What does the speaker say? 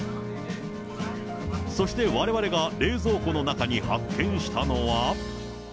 そして、われわれが冷蔵庫の中に発見したのは。